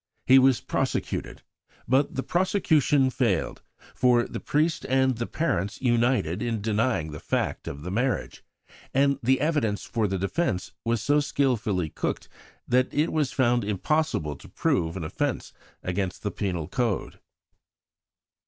He was prosecuted, but the prosecution failed, for the priest and the parents united in denying the fact of the marriage; and the evidence for the defence was so skilfully cooked that it was found impossible to prove an offence against the Penal Code.